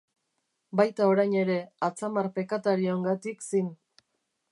Baita orain ere, atzamar pekatariongatik zin.